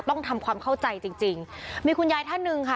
ต้องทำความเข้าใจจริงจริงมีคุณยายท่านหนึ่งค่ะ